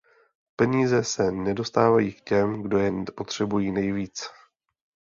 Peníze se nedostávají k těm, kdo je potřebují nejvíc.